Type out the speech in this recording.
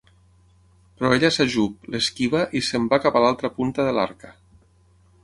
Però ella s'ajup, l'esquiva i se'n va cap a l'altra punta de l'Arca.